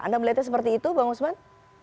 anda melihatnya seperti itu bang usman